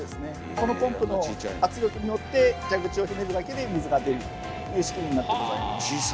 このポンプの圧力によって蛇口をひねるだけで水が出るという仕組みになってございます。